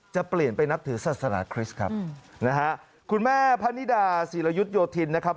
จะเปลี่ยนไปนับถือศาสนาคริสต์ครับนะฮะคุณแม่พะนิดาศิรยุทธโยธินนะครับ